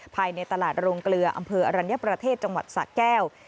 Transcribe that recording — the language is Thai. ภายในตลาดโรงเกลืออำเภออรัญญประเทศจังหวัดสะแก้ว